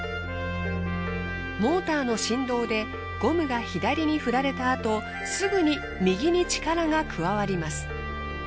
モーターの振動でゴムが左に振られたあとすぐに右に力が加わります。